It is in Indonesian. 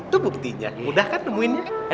itu buktinya udah kan nemuinnya